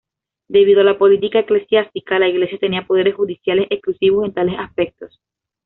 Debido a la política eclesiástica, la Iglesia tenía poderes judiciales exclusivos en tales aspectos.